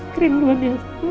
kering banget dia